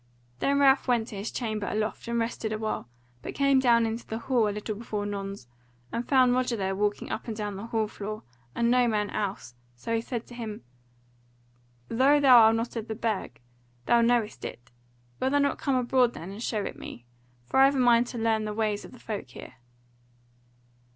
Then Ralph went to his chamber aloft and rested a while, but came down into the hall a little before nones, and found Roger there walking up and down the hall floor, and no man else, so he said to him: "Though thou art not of the Burg, thou knowest it; wilt thou not come abroad then, and show it me? for I have a mind to learn the ways of the folk here."